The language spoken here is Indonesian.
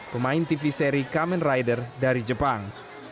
pemain tv seri kamen rider dari jepang